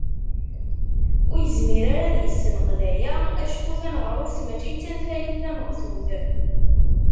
Ur yezmir ara ad isenqed aya acku taneɣruft mačči d tanfalit tameɣtut.